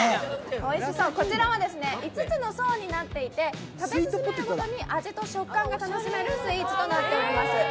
こちらは５つの層になっていて、食べ進めるごとに味と食感が楽しめるスイーツとなっています。